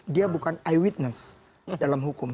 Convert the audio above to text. dia bukan eyewitness dalam hukum